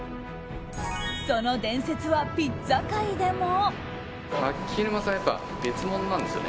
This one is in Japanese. その伝説は、ピッツァ界でも。